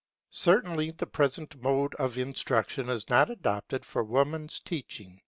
Certainly the present mode of instruction is not adopted for Woman's teaching.